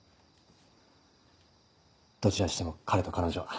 どちらにしても彼と彼女は。